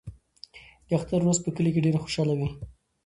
د اختر ورځ په کلي کې ډېره خوشحاله وي.